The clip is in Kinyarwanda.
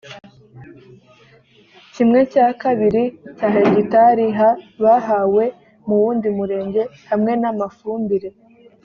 kimwe cya kabiri cya hegitari ha bahawe mu wundi murenge hamwe n amafumbire